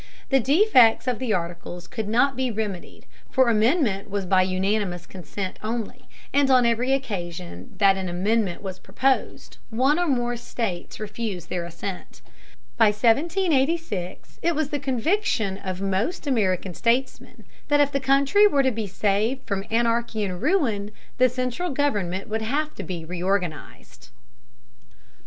The defects of the Articles could not be remedied, for amendment was by unanimous consent only, and on every occasion that an amendment was proposed, one or more states refused their assent. By 1786 it was the conviction of most American statesmen that if the country were to be saved from anarchy and ruin the central government would have to be reorganized. 496.